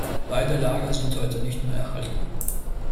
Beide Lager sind heute nicht mehr erhalten.